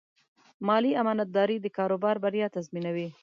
مالي امانتداري د کاروبار بریا تضمینوي.